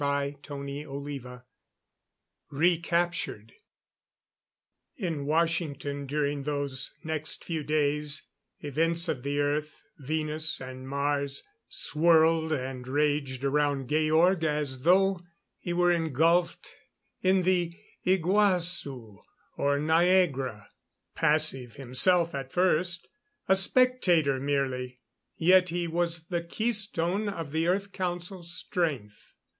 CHAPTER XI Recaptured In Washington during those next few days, events of the Earth, Venus and Mars swirled and raged around Georg as though he were engulfed in the Iguazu or Niagara. Passive himself at first a spectator merely; yet he was the keystone of the Earth Council's strength.